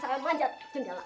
saya mau manjat jendela